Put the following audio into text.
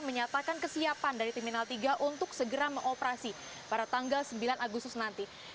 menyatakan kesiapan dari terminal tiga untuk segera mengoperasi pada tanggal sembilan agustus nanti